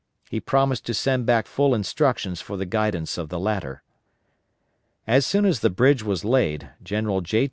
He promised to send back full instructions for the guidance of the latter. As soon as the bridge was laid, General J.